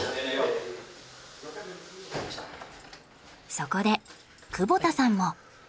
そこで窪田さんも。